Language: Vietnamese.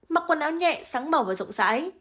mặc quần áo nhẹ sáng màu và rộng rãi